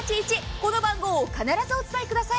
この番号を必ずお伝えください。